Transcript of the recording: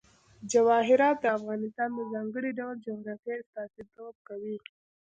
جواهرات د افغانستان د ځانګړي ډول جغرافیه استازیتوب کوي.